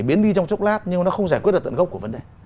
biến đi trong chốc lát nhưng nó không giải quyết được tận gốc của vấn đề